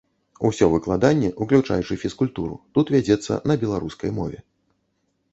Усё выкладанне, уключаючы фізкультуру, тут вядзецца на беларускай мове.